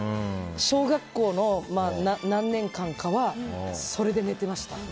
小学校の何年間かはそれで寝てました。